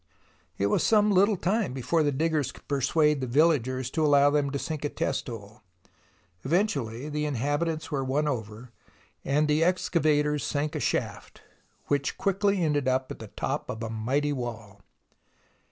It was some little time before the diggers could persuade the villagers to allow them to sink a test hole. Eventually, the inhabitants were won over, and the excavators sank a shaft — which quickly ended at the top of a mighty wall